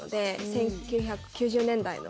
１９９０年代の。